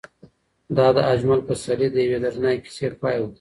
دا د اجمل پسرلي د یوې دردناکې کیسې پای و.